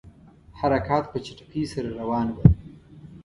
حرکات په چټکۍ سره روان وه.